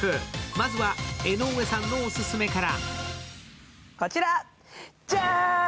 まずは江上さんのオススメから。